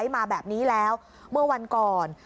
มาแบบนี้แล้วเมื่อวันก่อน